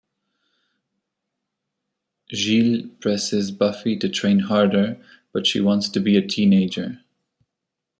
Giles presses Buffy to train harder, but she just wants to be a teenager.